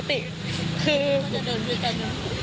จะเดินด้วยกันนะ